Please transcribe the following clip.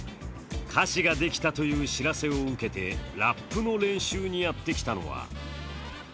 歌詞ができたという知らせを受けてラップの練習にやって来たのは。